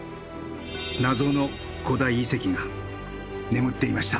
謎の古代遺跡が眠っていました。